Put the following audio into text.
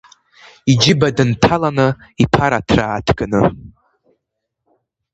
Иџьыба дынҭаланы иԥараҭра ааҭганы.